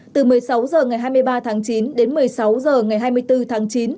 từ một mươi sáu h ngày hai mươi ba tháng chín đến một mươi sáu h ngày hai mươi bốn tháng chín